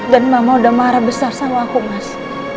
dan mama udah marah besar sama aku mas